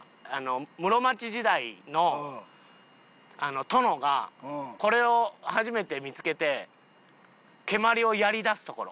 室町時代の殿がこれを初めて見つけて蹴鞠をやり出すところ。